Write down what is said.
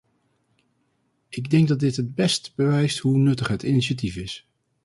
Ik denk dat dit het beste bewijst hoe nuttig het initiatief is.